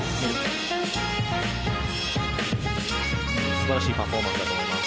すばらしいパフォーマンスだと思います。